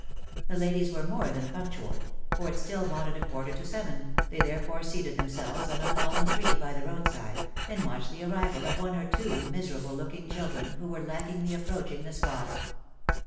The ladies were more than punctual, for it still wanted a quarter to seven, they therefore seated themselves on a fallen tree by the road side, and watched the arrival of one or two miserable looking children who werelaggingly approaching the spot.